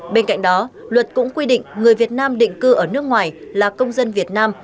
bên cạnh đó luật cũng quy định người việt nam định cư ở nước ngoài là công dân việt nam